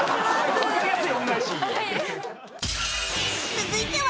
続いては